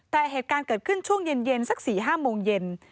แต่เหตุการณ์เกิดขึ้นช่วงเย็นสัก๔๕โมงเย็น